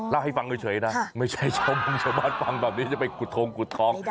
เล่าให้ฟังเฉยนะไม่ใช่ชาวมงชาวบ้านฟังแบบนี้จะไปกุดทงกุดทอง